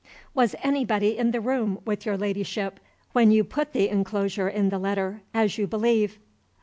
"Was anybody in the room with your Ladyship when you put the inclosure in the letter as you believe?"